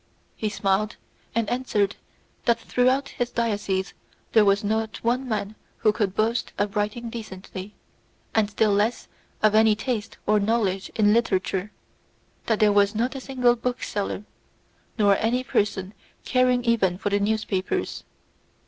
He smiled and answered that throughout his diocese there was not one man who could boast of writing decently, and still less of any taste or knowledge in literature; that there was not a single bookseller, nor any person caring even for the newspapers.